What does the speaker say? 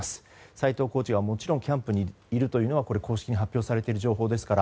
斎藤コーチはもちろんキャンプにいるというのは公式に発表されている情報ですから。